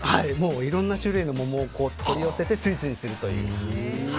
いろんな種類の桃を取り寄せてスイーツにするという。